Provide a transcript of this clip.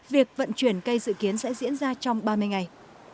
việc vận chuyển cây dự kiến sẽ diễn ra trong ba mươi ngày